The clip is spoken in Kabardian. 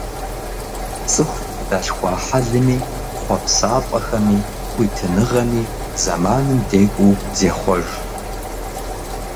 ЦӀыхум къыдалъхуа хьэлми, хъуэпсапӀэхэми, хуитыныгъэми зэманым декӏуу зехъуэж.